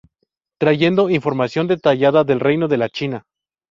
Trayendo información detallada del reino de la China.